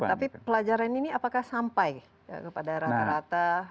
tapi pelajaran ini apakah sampai kepada rata rata